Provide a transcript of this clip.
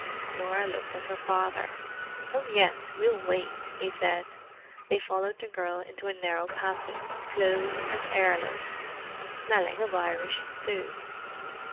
Norah looked at her father. "Oh yes, we'll wait," he said. They followed the girl into a narrow passage, close and airless, and smelling of Irish stew.